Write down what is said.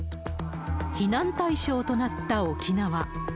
避難対象となった沖縄。